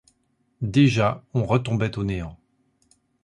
Déjà, on retombait au néant.